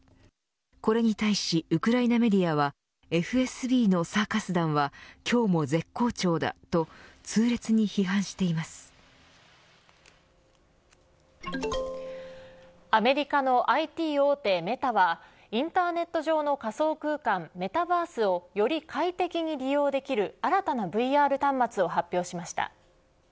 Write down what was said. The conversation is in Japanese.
これに対しウクライナメディアはＦＳＢのサーカス団は今日も絶好調だとアメリカのＩＴ大手メタはインターネット上の仮想空間メタバースをより快適に利用できる新たなＶＲ端末を発表しました。